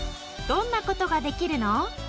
どんな事ができるの？